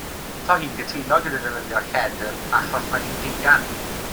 'So hi'n cytuno gyda defnyddio lledr achos mae hi'n figan.